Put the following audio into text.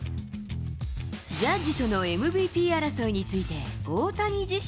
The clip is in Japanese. ジャッジとのＭＶＰ争いにつ